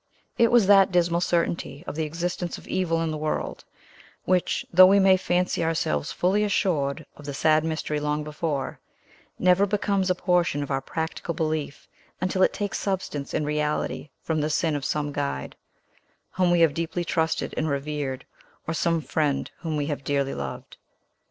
It was that dismal certainty of the existence of evil in the world, which, though we may fancy ourselves fully assured of the sad mystery long before, never becomes a portion of our practical belief until it takes substance and reality from the sin of some guide, whom we have deeply trusted and revered, or some friend whom we have dearly loved.